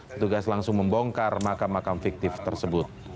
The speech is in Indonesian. petugas langsung membongkar makam makam fiktif tersebut